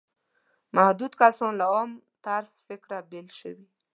محدود کسان له عام طرز فکره بېل شوي.